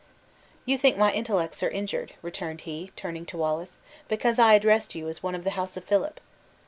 "You think my intellects are injured," returned he, turning to Wallace, "because I addressed you as one of the house of Philip!